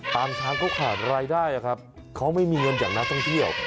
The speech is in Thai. ช้างเขาขาดรายได้ครับเขาไม่มีเงินจากนักท่องเที่ยว